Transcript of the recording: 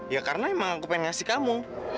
ya karena emang aku pengen ngasih kamu